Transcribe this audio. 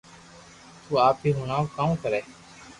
تو آپ ھي ھڻاو ڪاو ڪرو